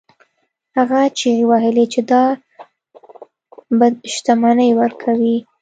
هغه چیغې وهلې چې دا بت شتمني ورکوي.